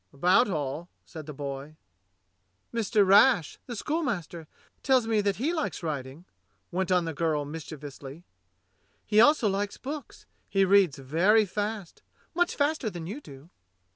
"About all," said the boy. "Mr. Rash, the schoolmaster, tells me that he likes riding," went on the girl mischievously; "he also likes books; he reads very fast, much faster than you do."